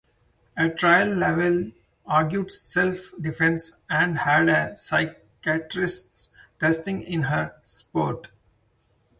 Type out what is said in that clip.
At trial, Lavallee argued self-defence, and had a psychiatrist testify in her support.